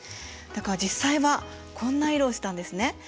だから実際はこんな色をしてたんですね。